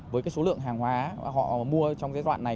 với cái số lượng hàng hóa họ mua trong giai đoạn này